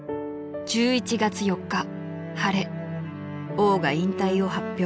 ［「『王』が引退を発表」］